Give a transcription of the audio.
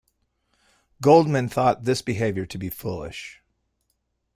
Goldmann thought this behavior to be foolish.